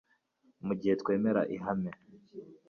mu gihe twemera ihame